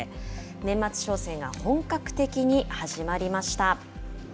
年末商戦が本格的に始まりました。